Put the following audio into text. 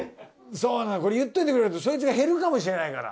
そうなの言っておいてくれるとソイツが減るかもしれないから。